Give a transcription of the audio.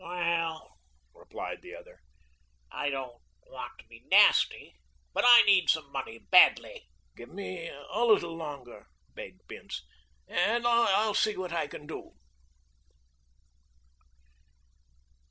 "Well," replied the other, "I don't want to be nasty, but I need some money badly." "Give me a little longer," begged Bince, "and I'll see what I can do."